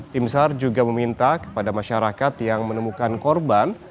tim sar juga meminta kepada masyarakat yang menemukan korban